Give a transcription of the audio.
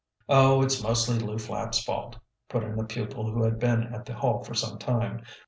"Oh, it's mostly Lew Flapp's fault," put in a pupil who had been at the Hall for some time.